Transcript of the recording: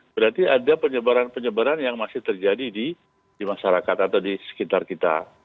berarti ada penyebaran penyebaran yang masih terjadi di masyarakat atau di sekitar kita